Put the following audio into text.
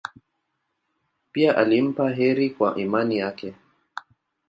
Pia alimpa heri kwa imani yake.